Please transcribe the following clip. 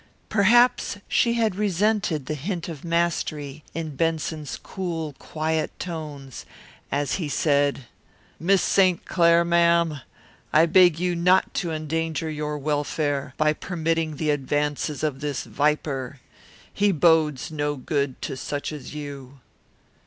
Perhaps she had resented the hint of mastery in Benson's cool, quiet tones as he said, "Miss St. Clair, ma'am, I beg you not to endanger your welfare by permitting the advances of this viper. He bodes no good to such as you."